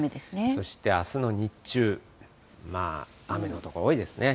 そしてあすの日中、まあ、雨の所、多いですね。